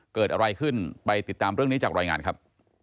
เกิดอะไรขึ้นไปติดตามเรื่องนี้จากรายงานครับ